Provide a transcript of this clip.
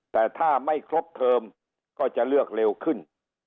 แต่ถ้าไม่ครบเทอมก็จะเลือกเร็วขึ้น